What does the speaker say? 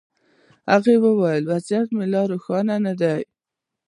هغوی ویل وضعیت لا روښانه نه دی.